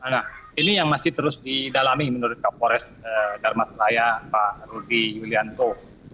nah ini yang masih terus didalami menurut kapolres darmas raya pak rudi yulianto